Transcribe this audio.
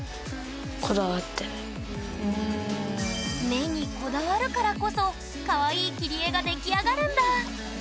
目にこだわるからこそかわいい切り絵が出来上がるんだ！